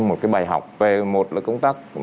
một cái bài học về một công tác